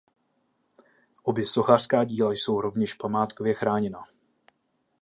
Obě sochařská díla jsou rovněž památkově chráněna.